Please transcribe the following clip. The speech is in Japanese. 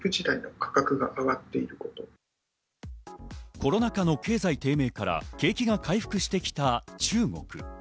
コロナ禍の経済低迷から景気が回復してきた中国。